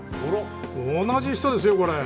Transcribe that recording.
同じ人ですよ、これ。